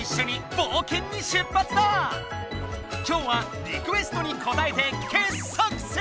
今日はリクエストにこたえて傑作選！